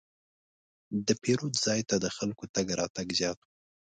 د پیرود ځای ته د خلکو تګ راتګ زیات و.